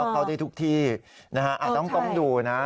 เกาะเทศทุกที่อาจต้องต้องดูนะ